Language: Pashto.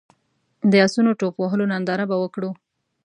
د اسونو ټوپ وهلو ننداره به وکړو.